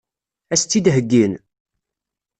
Ad as-tt-id-heggin?